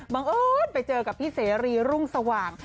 เอิญไปเจอกับพี่เสรีรุ่งสว่าง